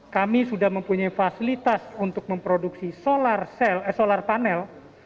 kami sudah mempunyai fasilitas untuk memproduksi solar panel